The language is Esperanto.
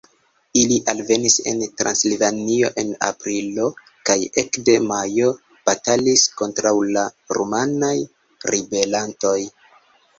Ili alvenis en Transilvanio en aprilo kaj ekde majo batalis kontraŭ la rumanaj ribelantoj.